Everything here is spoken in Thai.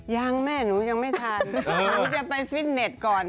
ยังแม่หนูยังไม่ทันหนูจะไปฟิตเน็ตก่อน